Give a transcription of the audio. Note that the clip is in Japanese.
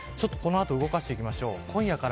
この後動かしてきましょう。